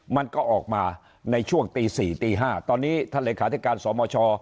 มันก็ออกมาในช่วงตี๔ตี๕ตอนนี้ท่านเลขาธิการสมช